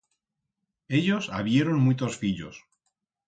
Ellos habieron muitos fillos.